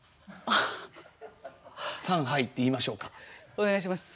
お願いします。